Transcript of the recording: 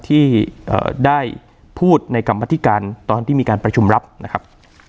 ที่ได้พูดในกรรมธิการตอนที่มีการประชุมรับนะครับ